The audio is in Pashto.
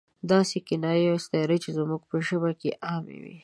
داسې کنایې او استعارې چې زموږ په ژبه کې عامې وي.